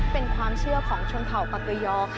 เป็นความเชื่อของชนเผ่าปากเกยอค่ะ